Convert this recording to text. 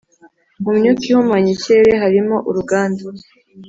Mu myuka ihumanya ikirere harimo uruganda